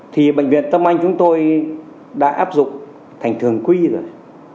thì bệnh viện tâm anh chúng tôi đã áp dụng thành thường quy rồi